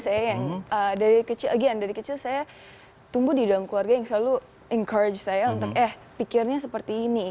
saya yang dari kecil agian dari kecil saya tumbuh di dalam keluarga yang selalu encourage saya untuk eh pikirnya seperti ini